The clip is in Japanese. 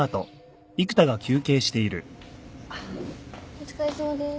お疲れさまです。